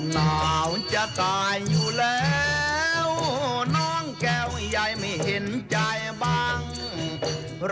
หนาวจะตายอยู่แล้วน้องแก้วยายไม่เห็นใจบ้าง